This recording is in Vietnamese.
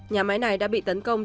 nhà máy này đã bị tấn công